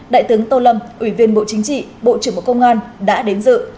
đại tướng tô lâm ủy viên bộ chính trị bộ trưởng bộ công an đã đến dự